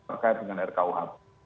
terkait dengan rkuh